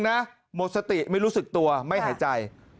หมดสติไม่รู้สึกตัวไม่หายใจ